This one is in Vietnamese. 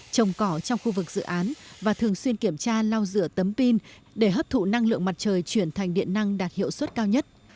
trồng cỏ trong khu vực dự án và thường xuyên kiểm tra lau rửa tấm pin để hấp thụ năng lượng mặt trời chuyển thành điện năng đạt hiệu suất cao nhất